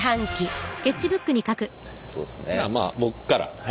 まあ僕から。